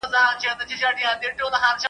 خو نه بینا سول نه یې سترګي په دعا سمېږي ..